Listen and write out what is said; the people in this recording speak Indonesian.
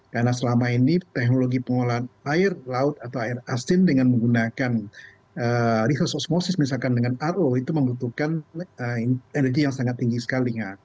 karena selama ini teknologi pengolahan air laut atau air asin dengan menggunakan resursus osmosis misalkan dengan ro itu membutuhkan energi yang sangat tinggi sekali